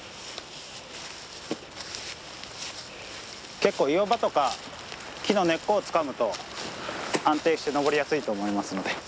結構岩場とか木の根っこをつかむと安定して登りやすいと思いますので。